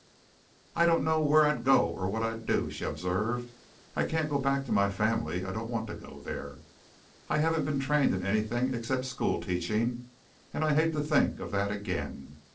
"I don't know where I'd go or what I'd do," she observed. "I can't go back to my family. I don't want to go there. I haven't been trained in anything except school teaching, and I hate to think of that again.